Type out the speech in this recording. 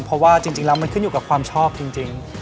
เพราะว่าจริงแล้วมันขึ้นอยู่กับความชอบจริง